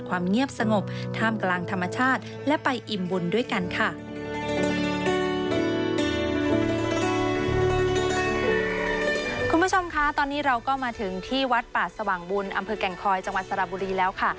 คุณผู้ชมคะตอนนี้เราก็มาถึงที่วัดป่าสว่างบุญอำเภอแก่งคอยจังหวัดสระบุรีแล้วค่ะ